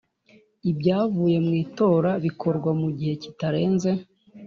ibyavuye mu itora bikorwa mu gihe kitarenze